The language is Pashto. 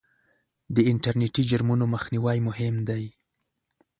د انټرنېټي جرمونو مخنیوی مهم دی.